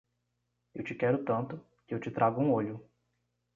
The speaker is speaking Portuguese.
Eu te quero tanto, que eu te trago um olho.